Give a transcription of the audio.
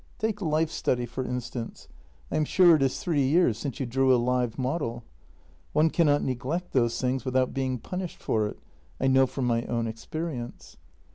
Take life study, for instance — I am sure it is three years since you drew a live model. One cannot neglect those things without being punished for it. I know from my own experience."